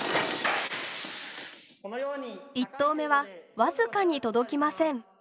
１投目は僅かに届きません。